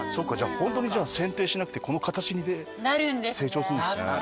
ホントにじゃあ剪定しなくてこの形で成長するんですね。